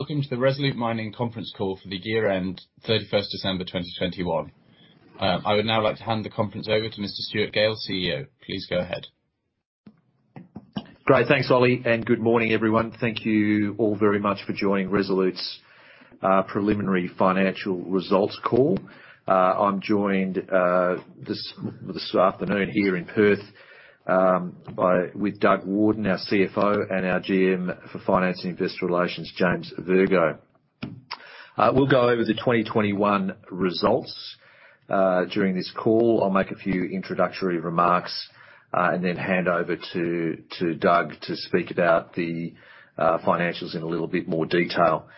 Welcome to the Resolute Mining conference call for the year-end, 31st December 2021. I would now like to hand the conference over to Mr. Stuart Gale, CEO. Please go ahead. Great. Thanks, Ollie, and good morning, everyone. Thank you all very much for joining Resolute's preliminary financial results call. I'm joined this afternoon here in Perth with Doug Warden, our CFO, and our GM for Financing Investor Relations, James Virgo. We'll go over the 2021 results during this call. I'll make a few introductory remarks and then hand over to Doug to speak about the financials in a little bit more detail.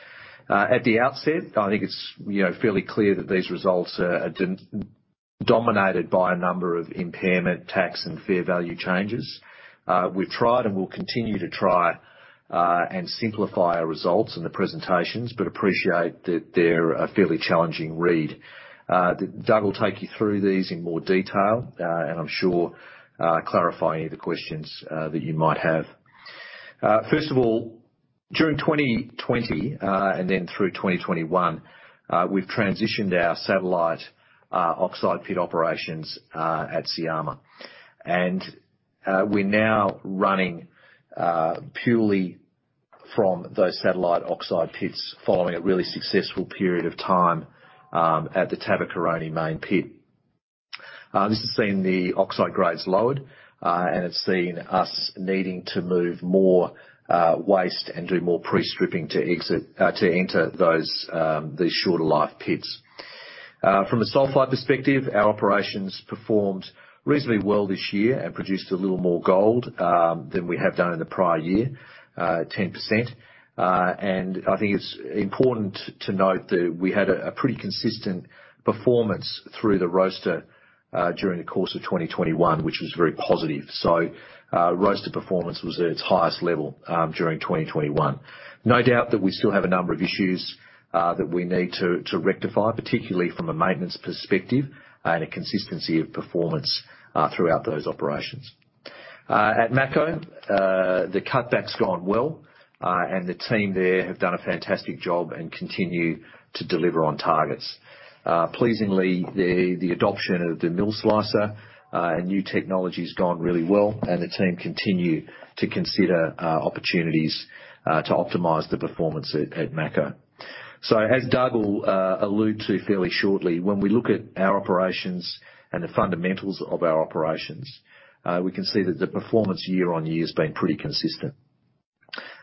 At the outset, I think it's, you know, fairly clear that these results are dominated by a number of impairment, tax, and fair value changes. We've tried and will continue to try and simplify our results in the presentations, but appreciate that they're a fairly challenging read. Doug will take you through these in more detail, and I'm sure he'll clarify any of the questions that you might have. First of all, during 2020 and then through 2021, we've transitioned our satellite oxide pit operations at Syama. We're now running purely from those satellite oxide pits following a really successful period of time at the Tabakoroni main pit. This has seen the oxide grades lowered, and it's seen us needing to move more waste and do more pre-stripping to enter these shorter life pits. From a sulphide perspective, our operations performed reasonably well this year and produced a little more gold than we have done in the prior year, 10%. I think it's important to note that we had a pretty consistent performance through the roaster during the course of 2021, which was very positive. Roaster performance was at its highest level during 2021. No doubt that we still have a number of issues that we need to rectify, particularly from a maintenance perspective and a consistency of performance throughout those operations. At Mako, the cutback's gone well, and the team there have done a fantastic job and continue to deliver on targets. Pleasingly, the adoption of the MillSlicer and new technology's gone really well, and the team continue to consider opportunities to optimize the performance at Mako. As Doug will allude to fairly shortly, when we look at our operations and the fundamentals of our operations, we can see that the performance year-on-year has been pretty consistent.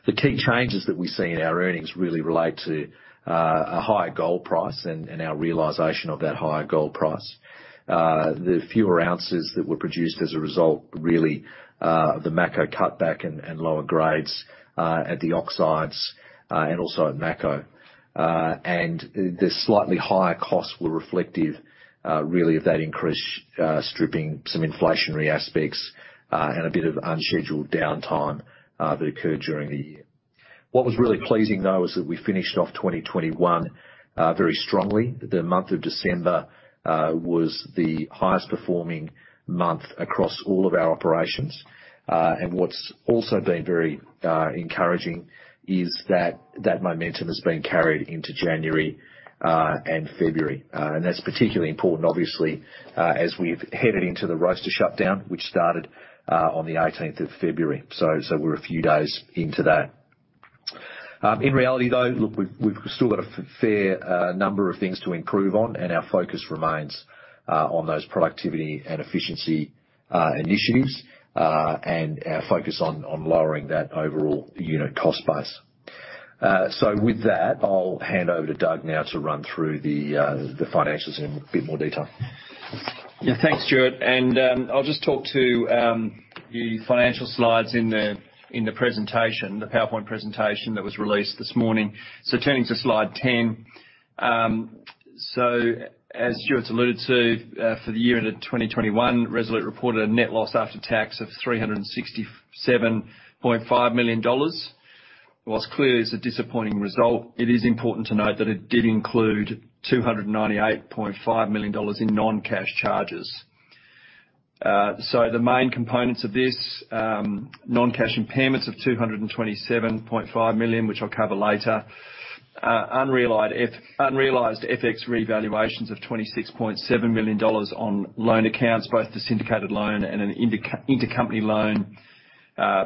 The key changes that we see in our earnings really relate to a higher gold price and our realization of that higher gold price. The fewer ounces that were produced as a result, really, of the Mako cutback and lower grades at the oxides and also at Mako. The slightly higher costs were reflective really of that increased stripping, some inflationary aspects and a bit of unscheduled downtime that occurred during the year. What was really pleasing, though, is that we finished off 2021 very strongly. The month of December was the highest performing month across all of our operations. What's also been very encouraging is that momentum has been carried into January and February. That's particularly important, obviously, as we've headed into the roaster shutdown, which started on the 18th of February. We're a few days into that. In reality, though, we've still got a fair number of things to improve on, and our focus remains on those productivity and efficiency initiatives and our focus on lowering that overall unit cost base. With that, I'll hand over to Doug now to run through the financials in a bit more detail. Yeah. Thanks, Stuart, and I'll just talk to the financial slides in the presentation, the PowerPoint presentation that was released this morning. Turning to slide 10. As Stuart alluded to, for the year end of 2021, Resolute reported a net loss after tax of $367.5 million. Whilst clearly it's a disappointing result, it is important to note that it did include $298.5 million in non-cash charges. The main components of this, non-cash impairments of $227.5 million, which I'll cover later. Unrealized FX revaluations of $26.7 million on loan accounts, both the syndicated loan and an intercompany loan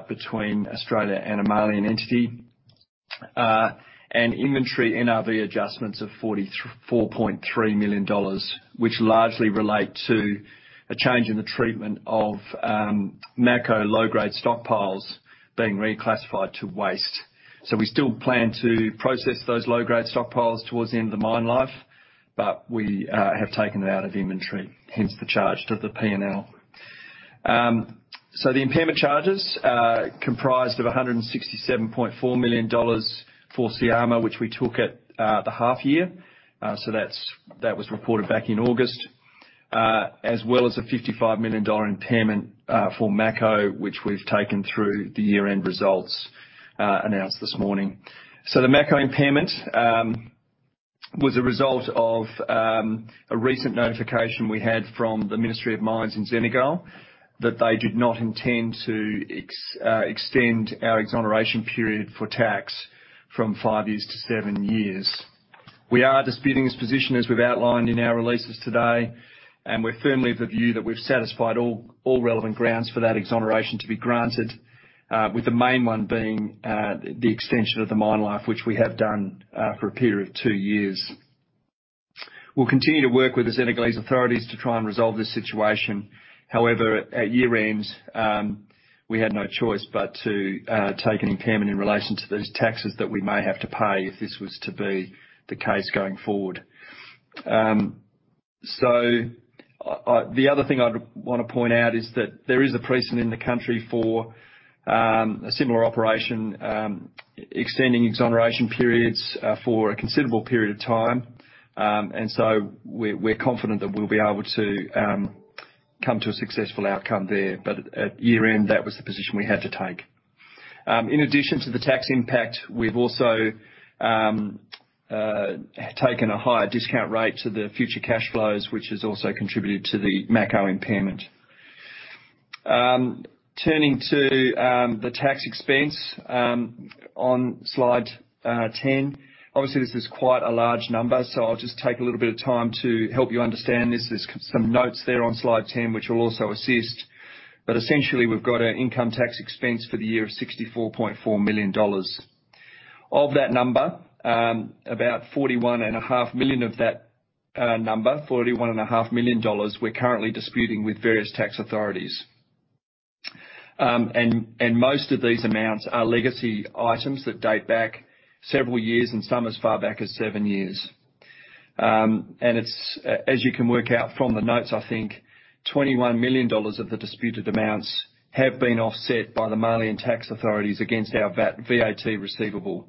between Australia and a Malian entity. Inventory NRV adjustments of $44.3 million, which largely relate to a change in the treatment of Mako low-grade stockpiles being reclassified to waste. We still plan to process those low-grade stockpiles towards the end of the mine life, but we have taken it out of inventory, hence the charge to the P&L. The impairment charges comprised of $167.4 million for Syama, which we took at the half year. That was reported back in August. As well as a $55 million impairment for Mako, which we've taken through the year-end results announced this morning. The Mako impairment was a result of a recent notification we had from the Ministry of Mines and in Senegal that they did not intend to extend our exoneration period for tax from five years to seven years. We are disputing this position as we've outlined in our releases today, and we're firmly of the view that we've satisfied all relevant grounds for that exoneration to be granted, with the main one being the extension of the mine life, which we have done, for a period of two years. We'll continue to work with the Senegalese authorities to try and resolve this situation. However, at year-end, we had no choice but to take an impairment in relation to those taxes that we may have to pay if this was to be the case going forward. The other thing I'd wanna point out is that there is a precedent in the country for a similar operation extending exoneration periods for a considerable period of time. We're confident that we'll be able to come to a successful outcome there. At year-end, that was the position we had to take. In addition to the tax impact, we've also taken a higher discount rate to the future cash flows, which has also contributed to the Mako impairment. Turning to the tax expense on slide 10. Obviously, this is quite a large number, so I'll just take a little bit of time to help you understand this. There's some notes there on slide 10, which will also assist. Essentially, we've got an income tax expense for the year of $64.4 million. Of that number, about $41.5 million of that number, $41.5 million, we're currently disputing with various tax authorities. Most of these amounts are legacy items that date back several years and some as far back as seven years. It's as you can work out from the notes, I think $21 million of the disputed amounts have been offset by the Malian tax authorities against our VAT receivable.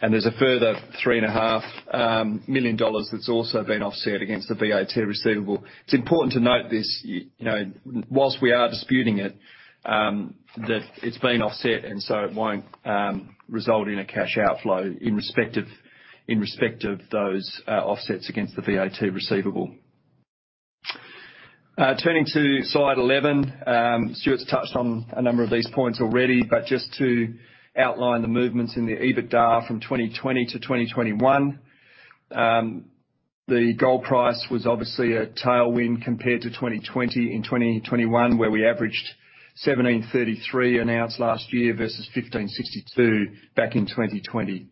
There's a further $3.5 million that's also been offset against the VAT receivable. It's important to note this, you know, whilst we are disputing it, that it's been offset and so it won't result in a cash outflow in respect of those offsets against the VAT receivable. Turning to slide 11, Stuart's touched on a number of these points already, but just to outline the movements in the EBITDA from 2020 to 2021. The gold price was obviously a tailwind compared to 2020 and 2021, where we averaged $1,733 an ounce last year versus $1,562 back in 2020.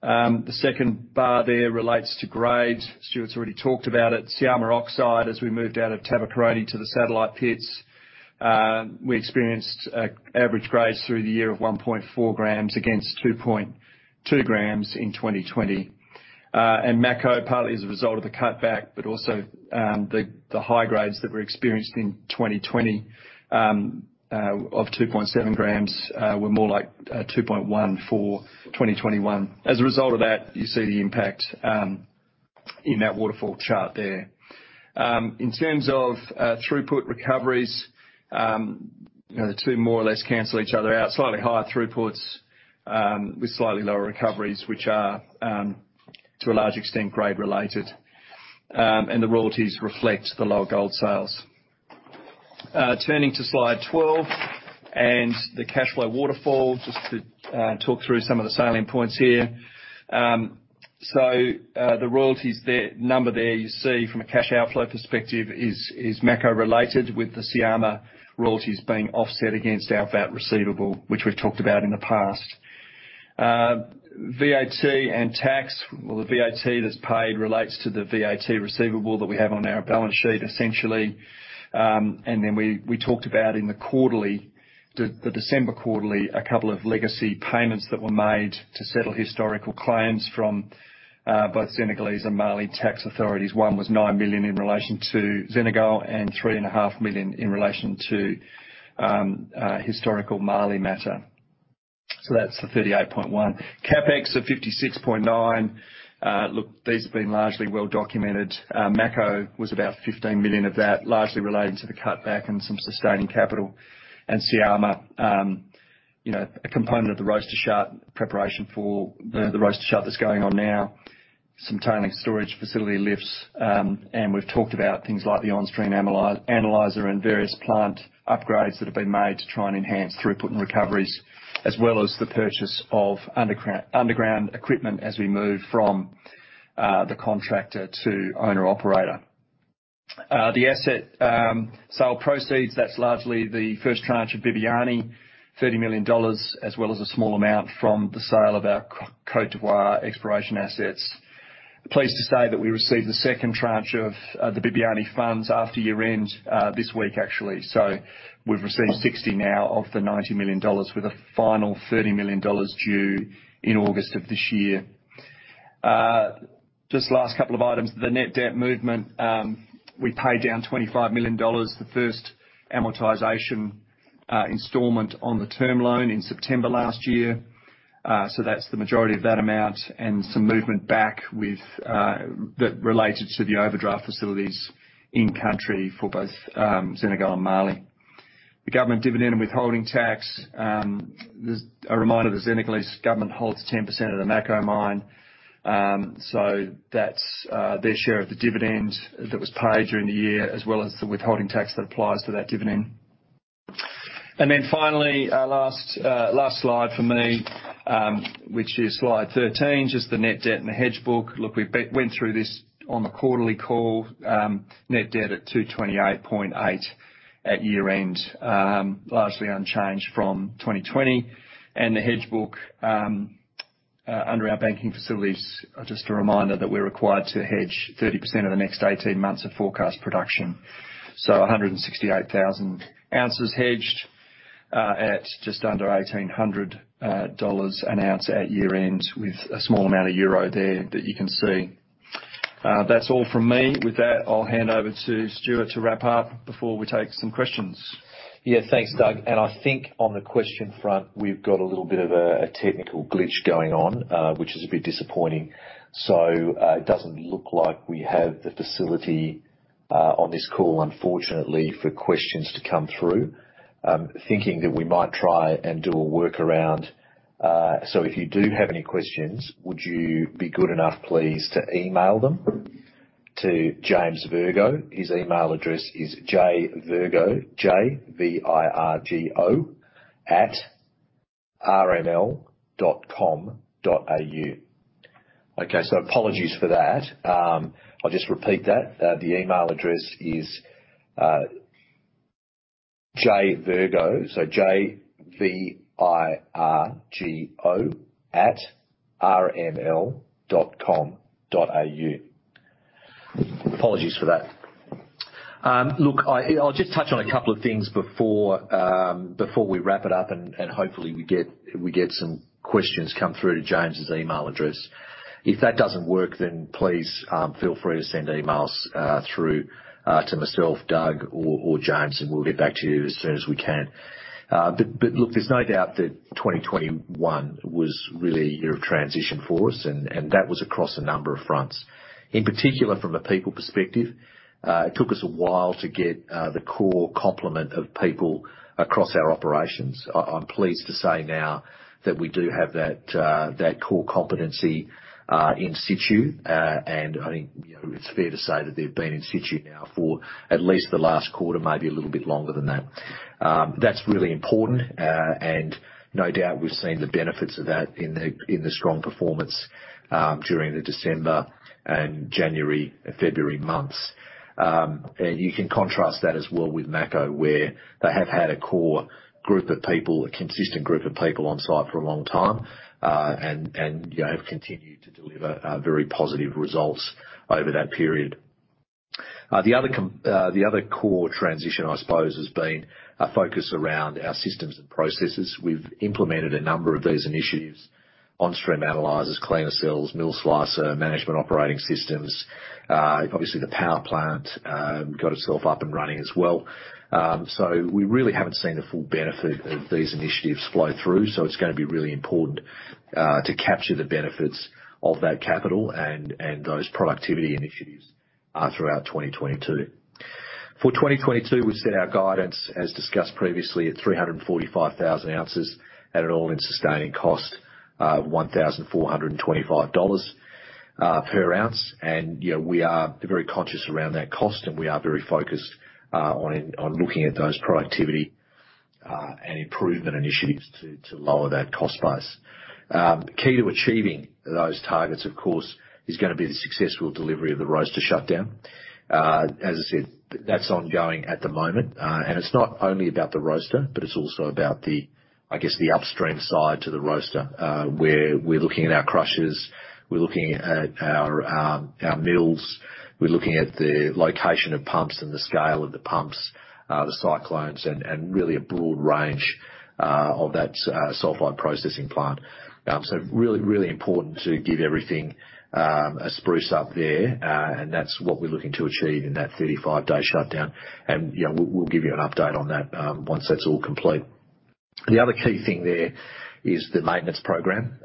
The second bar there relates to grade. Stuart's already talked about it. Syama oxide, as we moved out of Tabakoroni to the satellite pits, we experienced average grades through the year of 1.4 g against 2.2 g in 2020. And Mako, partly as a result of the cutback, but also, the high grades that were experienced in 2020 of 2.7 g were more like 2.1 g for 2021. As a result of that, you see the impact in that waterfall chart there. In terms of throughput recoveries, you know, the two more or less cancel each other out. Slightly higher throughputs with slightly lower recoveries, which are to a large extent, grade-related. The royalties reflect the lower gold sales. Turning to slide 12 and the cash flow waterfall, just to talk through some of the salient points here. The royalties there, number there you see from a cash outflow perspective is Mako-related with the Syama royalties being offset against our VAT receivable, which we've talked about in the past. VAT and tax. Well, the VAT that's paid relates to the VAT receivable that we have on our balance sheet, essentially. We talked about in the December quarterly a couple of legacy payments that were made to settle historical claims from both Senegalese and Mali tax authorities. One was $9 million in relation to Senegal and $3.5 million in relation to a historical Mali matter. That's the $38.1 million. CapEx of $56.9 million. These have been largely well documented. Mako was about $15 million of that, largely relating to the cutback and some sustaining capital. Syama, you know, a component of the roaster shift, preparation for the roaster shift that's going on now. Some tailings storage facility lifts. We've talked about things like the on-stream analyzer and various plant upgrades that have been made to try and enhance throughput and recoveries, as well as the purchase of underground equipment as we move from the contractor to owner-operator. The asset sale proceeds, that's largely the first tranche of Bibiani, $30 million, as well as a small amount from the sale of our Côte d'Ivoire exploration assets. Pleased to say that we received the second tranche of the Bibiani funds after year-end, this week, actually. We've received $60 million now of the $90 million, with a final $30 million due in August of this year. Just last couple of items. The net debt movement, we paid down $25 million, the first amortization installment on the term loan in September last year. That's the majority of that amount and some movement back with that related to the overdraft facilities in-country for both Senegal and Mali. The government dividend and withholding tax. There's a reminder the Senegalese government holds 10% of the Mako mine, so that's their share of the dividend that was paid during the year as well as the withholding tax that applies to that dividend. Finally, our last slide for me, which is slide 13, just the net debt and the hedge book. Look, we went through this on the quarterly call. Net debt at $228.8 at year-end, largely unchanged from 2020. The hedge book, under our banking facilities, just a reminder that we're required to hedge 30% of the next 18 months of forecast production. 168,000 oz hedged at just under $1,800 an ounce at year-end with a small amount of euro there that you can see. That's all from me. With that, I'll hand over to Stuart to wrap up before we take some questions. Yeah. Thanks, Doug. I think on the question front, we've got a little bit of a technical glitch going on, which is a bit disappointing. It doesn't look like we have the facility on this call, unfortunately, for questions to come through. I'm thinking that we might try and do a workaround. If you do have any questions, would you be good enough, please, to email them to James Virgo? His email address is jvirgo@rml.com.au. Okay, apologies for that. I'll just repeat that. The email address is jvirgo@rml.com.au. Apologies for that. Look, I'll just touch on a couple of things before we wrap it up and hopefully we get some questions come through to James' email address. If that doesn't work, then please feel free to send emails through to myself, Doug or James, and we'll get back to you as soon as we can. Look, there's no doubt that 2021 was really a year of transition for us, and that was across a number of fronts. In particular, from a people perspective, it took us a while to get the core complement of people across our operations. I'm pleased to say now that we do have that core competency in situ. I think, you know, it's fair to say that they've been in situ now for at least the last quarter, maybe a little bit longer than that. That's really important. No doubt we've seen the benefits of that in the strong performance during the December and January, February months. You can contrast that as well with Mako, where they have had a core group of people, a consistent group of people on site for a long time, and you know, have continued to deliver very positive results over that period. The other core transition, I suppose, has been a focus around our systems and processes. We've implemented a number of these initiatives, on-stream analyzers, cleaner cells, MillSlicer, management operating systems. Obviously the power plant got itself up and running as well. We really haven't seen the full benefit of these initiatives flow through, so it's gonna be really important to capture the benefits of that capital and those productivity initiatives throughout 2022. For 2022, we set our guidance, as discussed previously, at 345,000 oz at an all-in sustaining cost $1,425 per ounce. You know, we are very conscious around that cost, and we are very focused on looking at those productivity and improvement initiatives to lower that cost base. Key to achieving those targets, of course, is gonna be the successful delivery of the roaster shutdown. As I said, that's ongoing at the moment. It's not only about the roaster, but it's also about the, I guess, the upstream side to the roaster, where we're looking at our crushers, we're looking at our mills. We're looking at the location of pumps and the scale of the pumps, the cyclones and really a broad range of that sulphide processing plant. Really important to give everything a spruce up there. That's what we're looking to achieve in that 35-day shutdown. You know, we'll give you an update on that once that's all complete. The other key thing there is the maintenance program.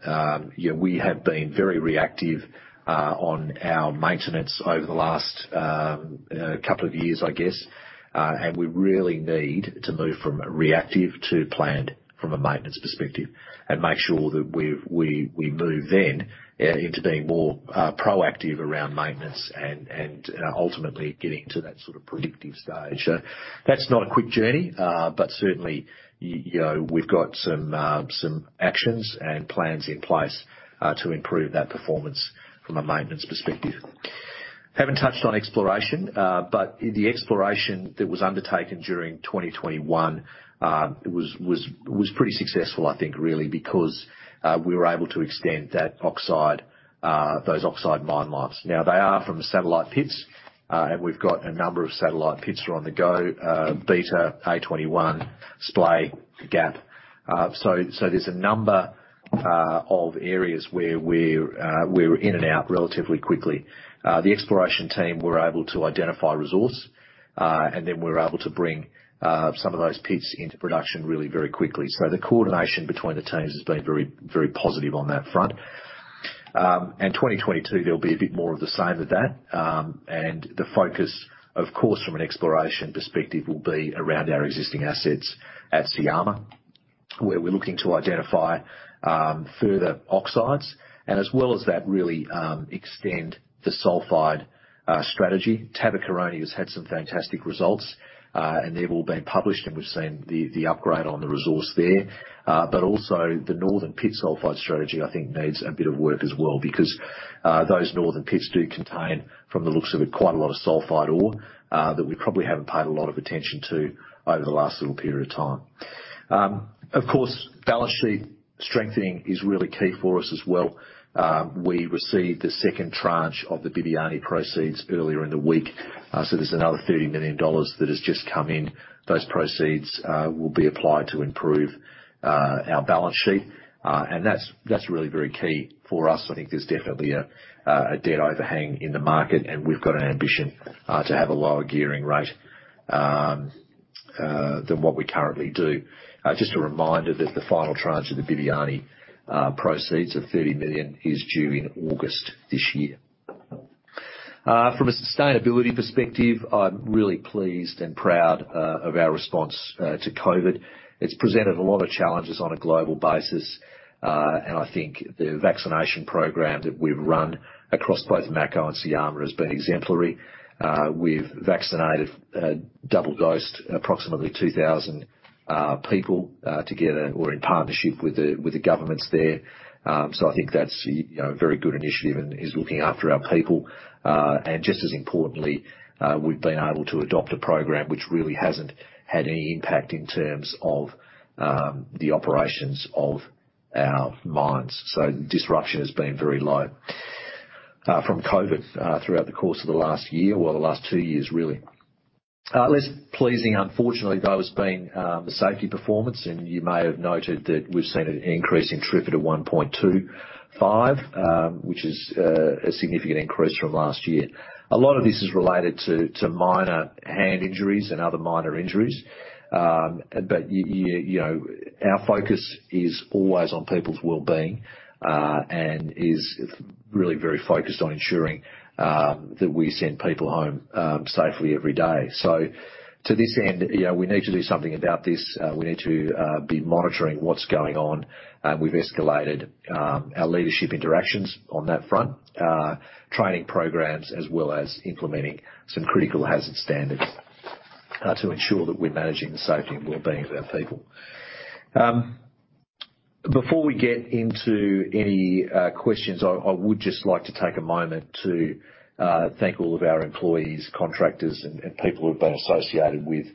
You know, we have been very reactive on our maintenance over the last couple of years, I guess. We really need to move from reactive to planned from a maintenance perspective and make sure that we move then into being more proactive around maintenance and ultimately getting to that sort of predictive stage. That's not a quick journey, but certainly, you know, we've got some actions and plans in place to improve that performance from a maintenance perspective. Haven't touched on exploration, but the exploration that was undertaken during 2021 was pretty successful, I think, really, because we were able to extend that oxide, those oxide mine lives. They are from the satellite pits, and we've got a number of satellite pits are on the go, Beta, A21, Splay, Gap. There's a number of areas where we're in and out relatively quickly. The exploration team were able to identify resource and then we were able to bring some of those pits into production really very quickly. The coordination between the teams has been very, very positive on that front. In 2022, there'll be a bit more of the same with that. The focus, of course, from an exploration perspective, will be around our existing assets at Syama, where we're looking to identify further oxides and as well as that, really, extend the sulphide strategy. Tabakoroni has had some fantastic results and they've all been published, and we've seen the upgrade on the resource there. Also the Northern Pit sulphide strategy, I think, needs a bit of work as well because those Northern Pits do contain, from the looks of it, quite a lot of sulphide ore that we probably haven't paid a lot of attention to over the last little period of time. Of course, balance sheet strengthening is really key for us as well. We received the second tranche of the Bibiani proceeds earlier in the week, so there's another $30 million that has just come in. Those proceeds will be applied to improve our balance sheet. That's really very key for us. I think there's definitely a debt overhang in the market, and we've got an ambition to have a lower gearing rate than what we currently do. Just a reminder that the final tranche of the Bibiani proceeds of $30 million is due in August this year. From a sustainability perspective, I'm really pleased and proud of our response to COVID. It's presented a lot of challenges on a global basis, and I think the vaccination program that we've run across both Mako and Syama has been exemplary. We've vaccinated, double-dosed approximately 2,000 people together or in partnership with the governments there. I think that's a, you know, very good initiative and is looking after our people. Just as importantly, we've been able to adopt a program which really hasn't had any impact in terms of the operations of our mines. Disruption has been very low from COVID throughout the course of the last year or the last two years really. Less pleasing unfortunately though has been the safety performance, and you may have noted that we've seen an increase in TRIFR at 1.25, which is a significant increase from last year. A lot of this is related to minor hand injuries and other minor injuries. You know, our focus is always on people's wellbeing, and is really very focused on ensuring that we send people home safely every day. To this end, you know, we need to do something about this. We need to be monitoring what's going on. We've escalated our leadership interactions on that front, training programs, as well as implementing some critical hazard standards to ensure that we're managing the safety and well-being of our people. Before we get into any questions, I would just like to take a moment to thank all of our employees, contractors and people who have been associated with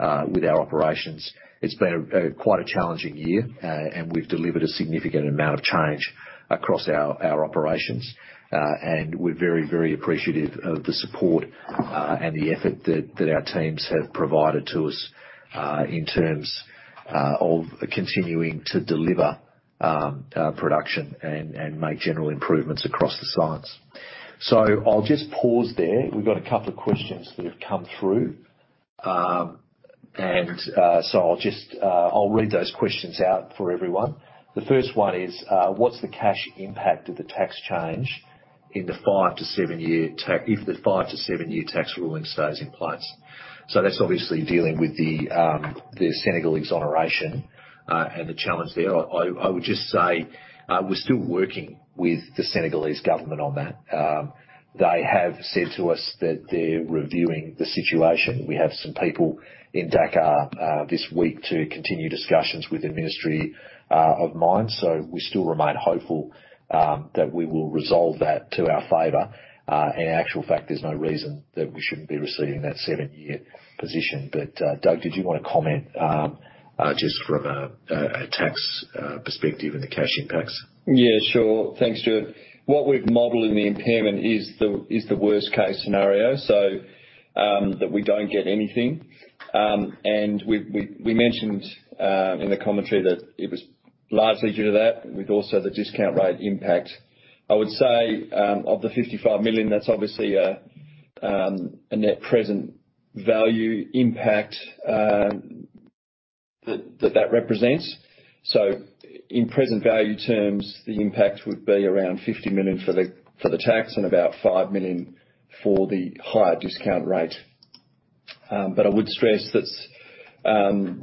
our operations. It's been quite a challenging year, and we've delivered a significant amount of change across our operations. We're very appreciative of the support and the effort that our teams have provided to us in terms of continuing to deliver production and make general improvements across the sites. I'll just pause there. We've got a couple of questions that have come through. I'll read those questions out for everyone. The first one is, "What's the cash impact of the tax change if the five- to seven-year tax ruling stays in place?" That's obviously dealing with the Senegal exoneration and the challenge there. I would just say we're still working with the Senegalese government on that. They have said to us that they're reviewing the situation. We have some people in Dakar this week to continue discussions with the Ministry of Mines. We still remain hopeful that we will resolve that to our favor. In actual fact, there's no reason that we shouldn't be receiving that seven-year position. Doug, did you want to comment just from a tax perspective and the cash impacts? Yeah, sure. Thanks, Stuart. What we've modeled in the impairment is the worst-case scenario, so that we don't get anything. We've mentioned in the commentary that it was largely due to that with also the discount rate impact. I would say of the $55 million, that's obviously a net present value impact that represents. In present value terms, the impact would be around $50 million for the tax and about $5 million for the higher discount rate. I would stress that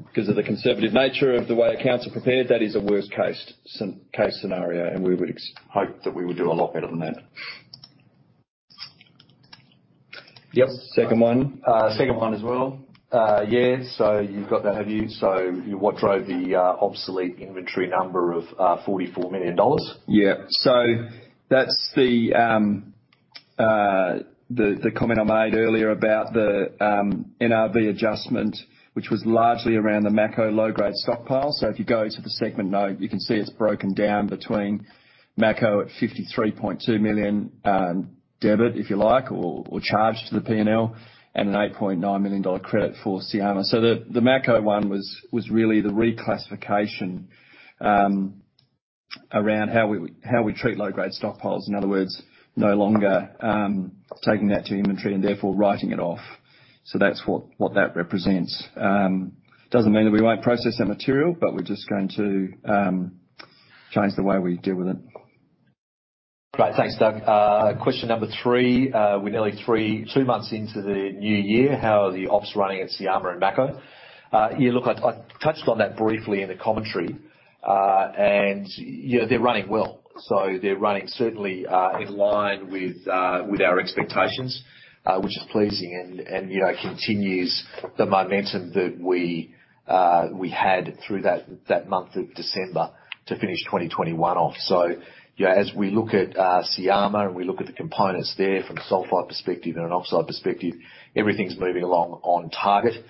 because of the conservative nature of the way accounts are prepared, that is a worst-case scenario, and we would hope that we would do a lot better than that. Yep. Second one? Second one as well. Yeah. You've got that, have you? What drove the obsolete inventory number of $44 million? Yeah. That's the comment I made earlier about the NRV adjustment, which was largely around the Mako low-grade stockpile. If you go to the segment note, you can see it's broken down between Mako at $53.2 million debit, if you like, or charged to the P&L, and an $8.9 million credit for Syama. The Mako one was really the reclassification around how we treat low-grade stockpiles. In other words, no longer taking that to inventory and therefore writing it off. That's what that represents. Doesn't mean that we won't process that material, but we're just going to change the way we deal with it. Great. Thanks, Doug. Question number three. We're nearly three, two months into the new year, how are the ops running at Syama and Mako? Yeah, look, I touched on that briefly in the commentary. Yeah, they're running well. They're running certainly in line with our expectations, which is pleasing and you know, continues the momentum that we had through that month of December to finish 2021 off. You know, as we look at Syama and we look at the components there from a sulphide perspective and an oxide perspective, everything's moving along on target.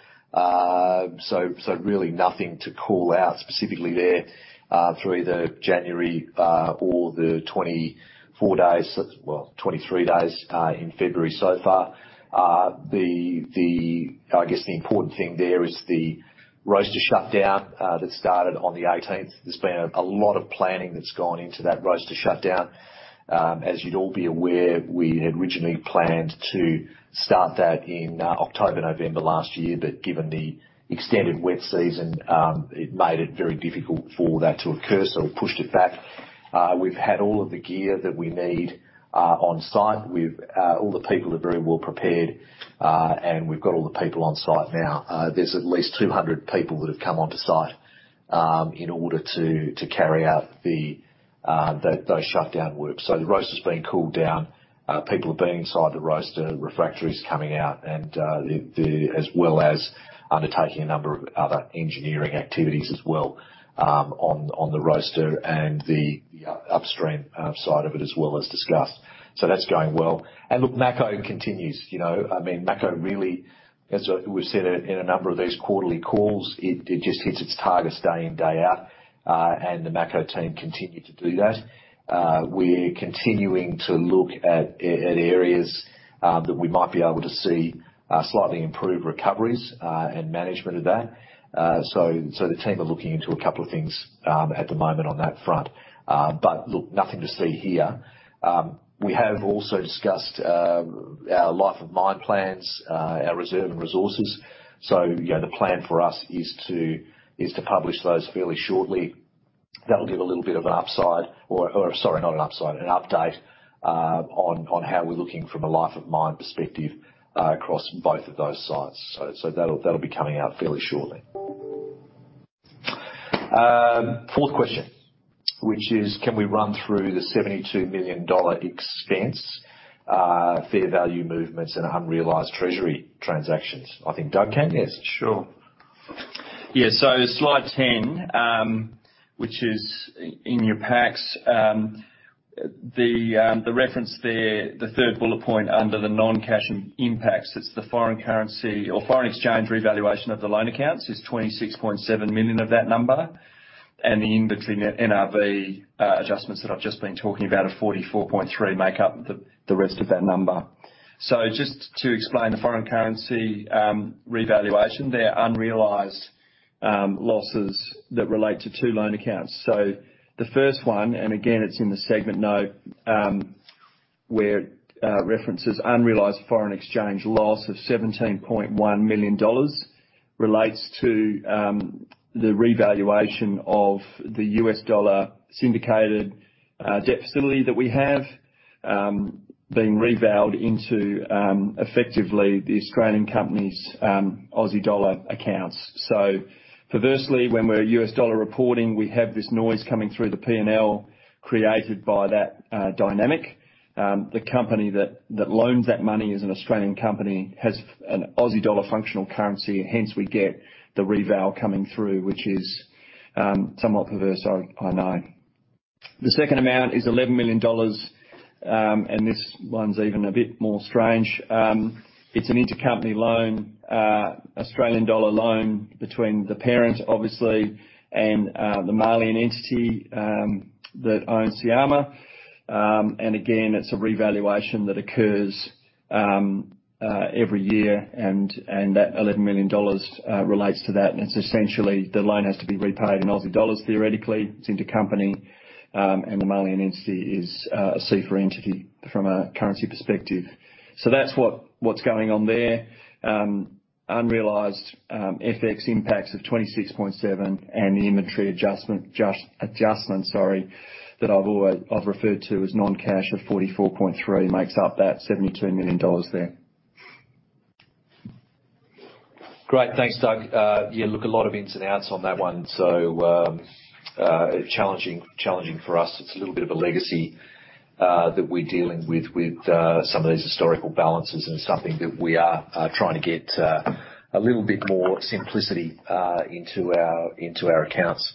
So really nothing to call out specifically there through either January or the 24 days, well, 23 days in February so far. I guess the important thing there is the roaster shutdown that started on the 18th. There's been a lot of planning that's gone into that roaster shutdown. As you'd all be aware, we had originally planned to start that in October, November last year, but given the extended wet season, it made it very difficult for that to occur, so we pushed it back. We've had all of the gear that we need on site. All the people are very well prepared, and we've got all the people on site now. There's at least 200 people that have come onto site in order to carry out those shutdown works. The roaster's being cooled down. People are being inside the roaster, refractory is coming out, and as well as undertaking a number of other engineering activities as well, on the roaster and the upstream side of it, as discussed. That's going well. Look, Mako continues, you know. I mean, Mako really, as we've said it in a number of these quarterly calls, it just hits its targets day in, day out. The Mako team continue to do that. We're continuing to look at areas that we might be able to see slightly improved recoveries and management of that. The team are looking into a couple of things at the moment on that front. Look, nothing to see here. We have also discussed our life of mine plans, our reserve and resources. You know, the plan for us is to publish those fairly shortly. That'll give a little bit of an update on how we're looking from a life of mine perspective across both of those sites. That'll be coming out fairly shortly. Fourth question, which is, can we run through the $72 million expense, fair value movements and unrealized treasury transactions? I think Doug can. Yes, sure. Yeah. Slide 10, which is in your packs, the reference there, the third bullet point under the non-cash impacts, it's the foreign currency or foreign exchange revaluation of the loan accounts is $26.7 million of that number. The inventory NRV adjustments that I've just been talking about of $44.3 million make up the rest of that number. Just to explain the foreign currency revaluation, they're unrealized losses that relate to two loan accounts. The first one, and again, it's in the segment note, where it references unrealized foreign exchange loss of $17.1 million relates to the revaluation of the U.S. dollar syndicated debt facility that we have being revalued into effectively the Australian company's Aussie dollar accounts. Perversely, when we're U.S. dollar reporting, we have this noise coming through the P&L created by that dynamic. The company that loans that money is an Australian company, has an Aussie dollar functional currency. Hence we get the reval coming through, which is somewhat perverse, I know. The second amount is $11 million, and this one's even a bit more strange. It's an intercompany loan, Australian dollar loan between the parent, obviously, and the Malian entity that owns Syama. Again, it's a revaluation that occurs every year and that $11 million relates to that. It's essentially the loan has to be repaid in Aussie dollars, theoretically. It's intercompany. The Malian entity is a CFA entity from a currency perspective. That's what's going on there. Unrealized FX impacts of $26.7 million and the inventory adjustment that I've always referred to as non-cash of $44.3 million makes up that $72 million there. Great. Thanks, Doug. Yeah, look, a lot of ins and outs on that one, so challenging for us. It's a little bit of a legacy that we're dealing with some of these historical balances and something that we are trying to get a little bit more simplicity into our accounts.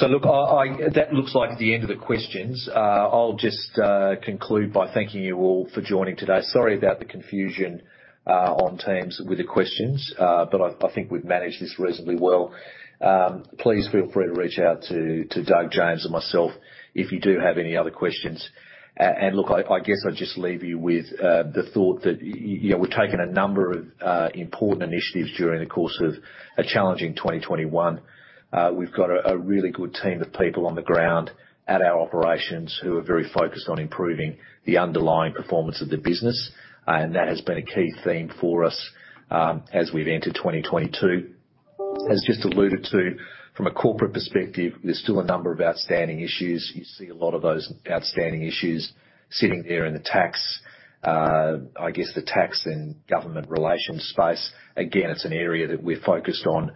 Look, that looks like the end of the questions. I'll just conclude by thanking you all for joining today. Sorry about the confusion on Teams with the questions, but I think we've managed this reasonably well. Please feel free to reach out to Doug, James or myself if you do have any other questions. Look, I guess I'll just leave you with the thought that, you know, we've taken a number of important initiatives during the course of a challenging 2021. We've got a really good team of people on the ground at our operations who are very focused on improving the underlying performance of the business. And that has been a key theme for us, as we've entered 2022. As just alluded to, from a corporate perspective, there's still a number of outstanding issues. You see a lot of those outstanding issues sitting there in the tax, I guess the tax and government relations space. Again, it's an area that we're focused on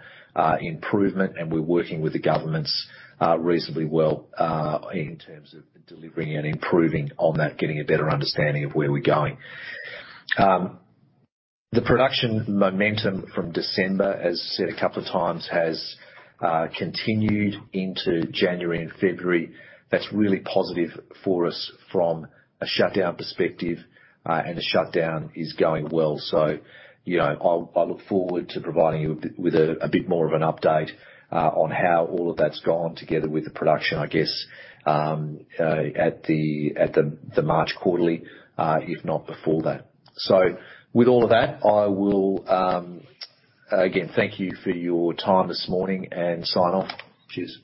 improvement, and we're working with the governments reasonably well in terms of delivering and improving on that, getting a better understanding of where we're going. The production momentum from December, as said a couple of times, has continued into January and February. That's really positive for us from a shutdown perspective, and the shutdown is going well. You know, I'll look forward to providing you with a bit more of an update on how all of that's gone together with the production, I guess, at the March quarterly, if not before that. With all of that, I will again thank you for your time this morning and sign off. Cheers.